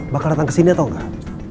bakal datang kesini atau nggak